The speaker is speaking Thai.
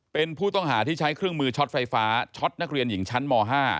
เป็นผู้ต้องหาที่ใช้เครื่องมือช็อตไฟฟ้าช็อตนักเรียนหญิงชั้นม๕